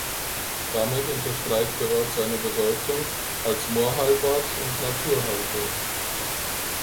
Damit unterstreicht der Ort seine Bedeutung als Moorheilbad und Natur-Heil-Dorf.